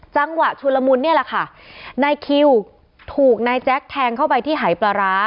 จังหวะชุนละมุนเนี่ยแหละค่ะนายคิวถูกนายแจ๊คแทงเข้าไปที่หายปลาร้า